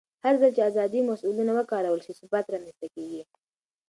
هرځل چې ازادي مسؤلانه وکارول شي، ثبات رامنځته کېږي.